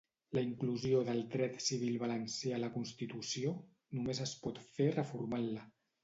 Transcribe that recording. La inclusió del dret civil valencià a la constitució només es pot fer reformant-la